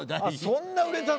そんな売れたの？